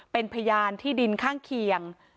เป็นพยานที่ดินข้างเคียง